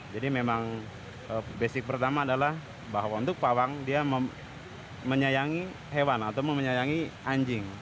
jadi memang basic pertama adalah bahwa untuk pawang dia menyayangi hewan atau menyayangi anjing